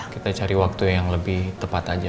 kita cari waktu yang lebih tepat aja